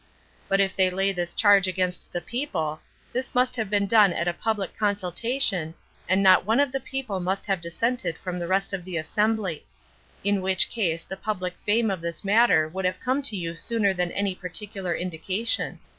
But if they lay this charge against the people, this must have been done at a public consultation, and not one of the people must have dissented from the rest of the assembly; in which case the public fame of this matter would have come to you sooner than any particular indication.